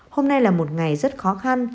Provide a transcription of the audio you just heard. hôm nay là một ngày rất khó khăn